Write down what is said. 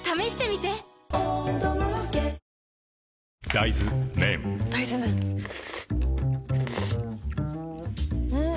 大豆麺ん？